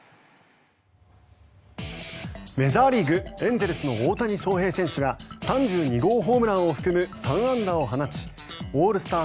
メジャーリーグエンゼルスの大谷翔平選手が３２号ホームランを含む３安打を放ちオールスター